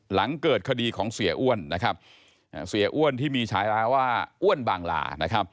หลังเกิดคดีของเสียอ้วนที่มีชายละว่าอ้วนบางลา